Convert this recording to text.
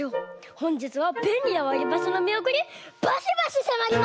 ほんじつはべんりなわりばしのみりょくにバシバシせまります！